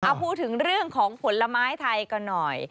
เอาพูดถึงเรื่องของผลไม้ไทยกันหน่อย